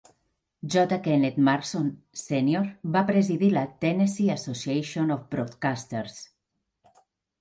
J. Kenneth Marston, sènior, va presidir la Tennessee Association of Broadcasters.